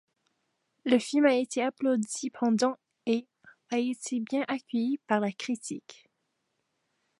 Le film a été applaudi pendant et a été bien accueilli par la critique.